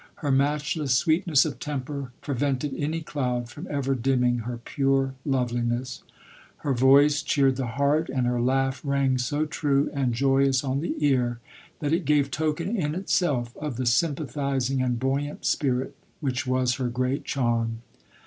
Her matchless sweet ness of temper prevented any cloud from ever dimming her pure loveliness: her voice cheered the heart, and her laugh rang so true and joy ous on the ear, that it gave token in itself of the sympathizing and buoyant spirit which was her great charm.